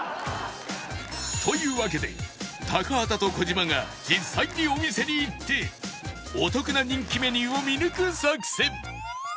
というわけで高畑と児嶋が実際にお店に行ってお得な人気メニューを見抜く作戦